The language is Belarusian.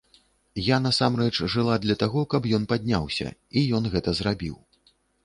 Я насамрэч жыла для таго, каб ён падняўся, і ён гэта зрабіў.